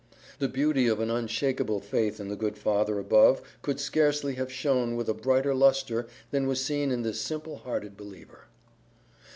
The beauty of an unshaken faith in the good Father above could scarcely have shone with a brighter lustre than was seen in this simple hearted believer.